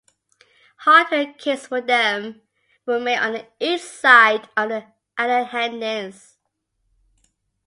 Hardware kits for them were made on the east side of the Alleghenies.